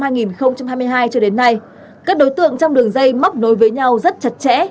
năm hai nghìn hai mươi hai cho đến nay các đối tượng trong đường dây móc nối với nhau rất chặt chẽ